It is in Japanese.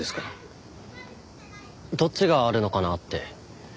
どっちがあるのかなって。